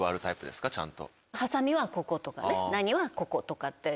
ハサミはこことか何はこことかって。